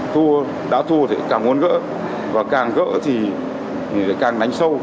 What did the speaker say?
thua đã thu thì càng muốn gỡ và càng gỡ thì càng đánh sâu